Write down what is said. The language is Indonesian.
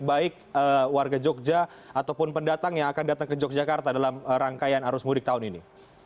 baik warga jogja ataupun pendatang yang akan datang ke yogyakarta dalam rangkaian arus mudik tahun ini